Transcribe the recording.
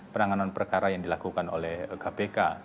penanganan perkara yang dilakukan oleh kpk